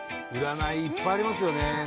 占いいっぱいありますよね。